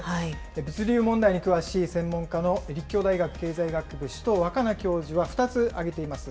物流問題に詳しい専門家の、立教大学経済学部、首藤若菜教授は２つ挙げています。